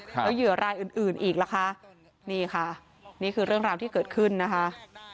แล้วเหยื่อรายอื่นอื่นอีกล่ะคะนี่ค่ะนี่คือเรื่องราวที่เกิดขึ้นนะคะ